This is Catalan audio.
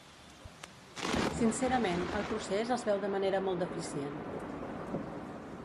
Sincerament, el procés es veu de manera molt deficient.